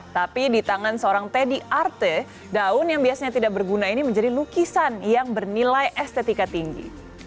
tapi di tangan seorang teddy arte daun yang biasanya tidak berguna ini menjadi lukisan yang bernilai estetika tinggi